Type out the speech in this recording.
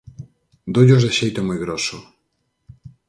Doullos de xeito moi groso.